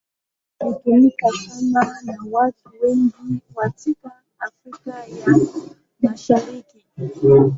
Hutumika sana na watu wengi katika Afrika ya Mashariki.